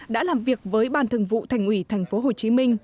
đã làm việc với ban thường vụ thành ủy tp hcm